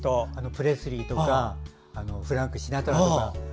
プレスリーとかフランク・シナトラとか。